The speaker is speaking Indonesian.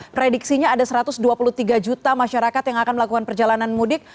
prediksinya ada satu ratus dua puluh tiga juta masyarakat yang akan melakukan perjalanan mudik